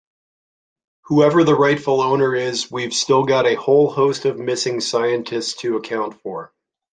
Whoever the rightful owner is we've still got a whole host of missing scientists to account for.